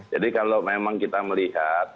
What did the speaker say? jadi kalau memang kita melihat